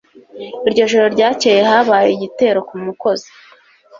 Ijoro ryakeye habaye igitero ku mukozi